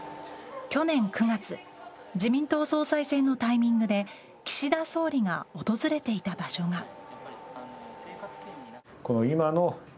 去年９月自民党総裁選のタイミングで岸田総理が訪れていた場所が。